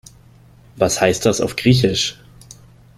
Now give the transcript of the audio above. Was heißt das auf Griechisch?